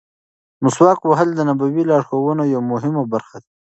مسواک وهل د نبوي لارښوونو یوه مهمه برخه ده.